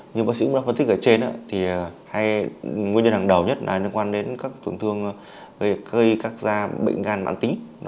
như bác sĩ cũng đã phân tích ở trên nguyên nhân hàng đầu nhất là liên quan đến các tổn thương cây các da bệnh gan mạng tính